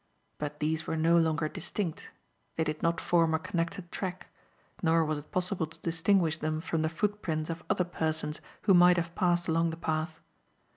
But these were no longer distinct; they did not form a connected track; nor was it possible to distinguish them from the footprints of other persons who might have passed along the path.